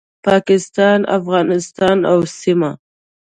پاکستان، افغانستان او سیمه